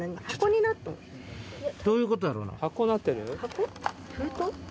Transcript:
どういうことやろうな？